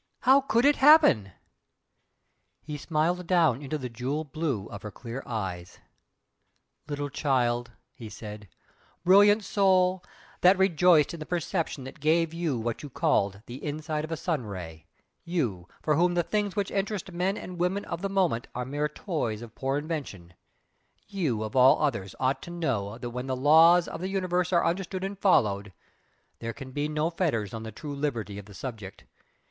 How could it happen?" He smiled down into the jewel blue of her clear eyes. "Little child!" he said "Brilliant soul, that rejoiced in the perception that gave you what you called 'the inside of a sun ray,' you, for whom the things which interest men and women of the moment are mere toys of poor invention you, of all others, ought to know that when the laws of the universe are understood and followed, there can be no fetters on the true liberty of the subject?